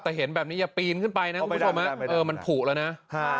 แต่เห็นแบบนี้อย่าปีนขึ้นไปนะเอาไปได้เออมันผูแล้วนะค่ะ